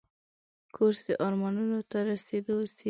کورس د ارمانونو ته رسیدو وسیله ده.